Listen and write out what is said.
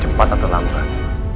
cepat atau lambat